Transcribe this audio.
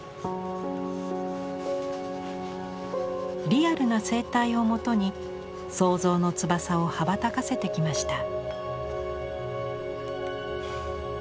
リアルな生態をもとに想像の翼を羽ばたかせてきました。